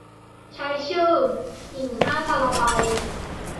ใช้ชื่อ "หญิงห้าซาลาเปา"